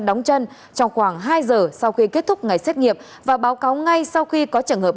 đóng chân trong khoảng hai giờ sau khi kết thúc ngày xét nghiệm và báo cáo ngay sau khi có trường hợp